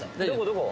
どこ？